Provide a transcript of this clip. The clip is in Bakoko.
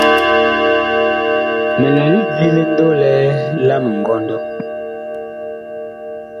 Mi lɛ lidi ndolɛ la mingɔndɔ.